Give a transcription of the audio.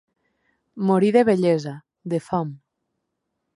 Morir de vellesa, de fam.